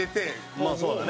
まあそうだね。